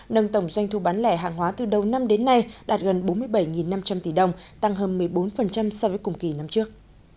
nâng tổng doanh thu bán lẻ hàng hóa từ đầu năm đến nay đạt gần bốn mươi bảy năm trăm linh tỷ đồng tăng hơn một mươi bốn so với cùng kỳ năm trước